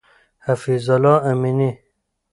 حفیظ الله امینی